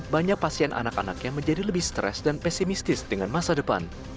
banyak pasien anak anaknya menjadi lebih stres dan pesimistis dengan masa depan